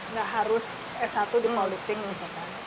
nggak harus s satu di politik